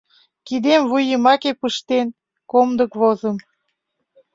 Кидем вуй йымаке пыштен, комдык возым.